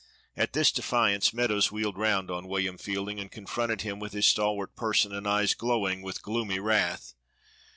At this defiance Meadows wheeled round on William Fielding and confronted him with his stalwart person and eyes glowing with gloomy wrath.